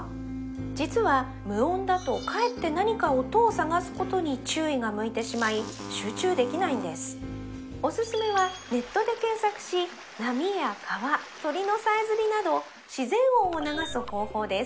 実は無音だとかえって何か音を探すことに注意が向いてしまい集中できないんですおすすめはネットで検索し波や川鳥のさえずりなど自然音を流す方法です